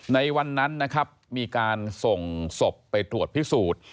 ในวันนั้นนะครับมีการส่งศพไปตรวจพิสูจน์